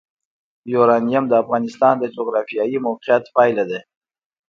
یورانیم د افغانستان د جغرافیایي موقیعت پایله ده.